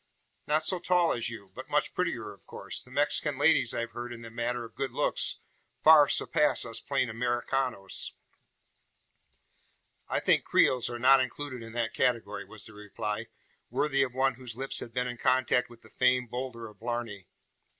"Not so tall as you." "But much prettier, of course? The Mexican ladies, I've heard, in the matter of good looks, far surpass us plain Americanos." "I think Creoles are not included in that category," was the reply, worthy of one whose lips had been in contact with the famed boulder of Blarney.